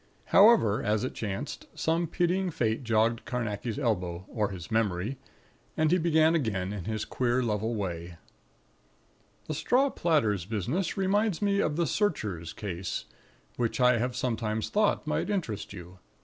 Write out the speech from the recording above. However, as it chanced, some pitying fate jogged Carnacki's elbow, or his memory, and he began again, in his queer level way: "The 'Straw Platters' business reminds me of the 'Searcher' Case, which I have sometimes thought might interest you.